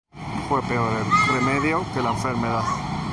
Fue peor el remedio que la enfermedad.